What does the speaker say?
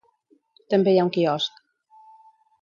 També hi ha un quiosc.